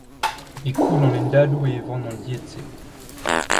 E koun an hendadoù e evan an died-se.